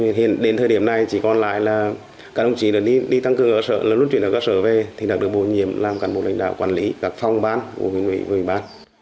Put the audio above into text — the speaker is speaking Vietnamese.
trong thời điểm này chỉ còn lại là các đồng chí đã đi tăng cường ở gất sở luân chuyển ở gất sở về thì đã được bổ nhiệm làm cán bộ lãnh đạo quản lý gạt phong bán của quý vị quý bán